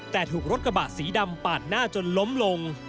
แต่ถูกรถกระบะสีดำปาดหน้าจนล้มลง